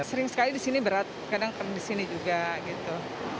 sering sekali disini berat kadang disini juga gitu